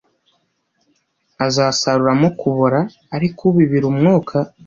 azasaruramo kubora, ariko ubibira Umwuka